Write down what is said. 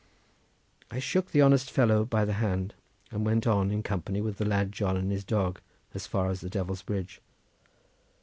I shook the honest fellow by the hand and went on in company with the lad John and his dog as far as the Devil's Bridge.